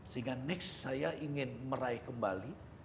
sehingga next saya ingin meraih kembali